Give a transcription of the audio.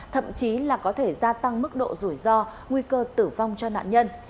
thậm chí là có thể gia tăng mức độ rủi ro nguy cơ tử vong cho nạn nhân